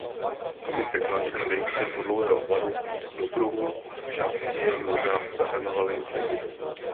Samice kladly vejce podlouhlého tvaru do kruhu a zčásti je možná zahrnovaly zeminou.